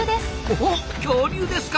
おっ恐竜ですか。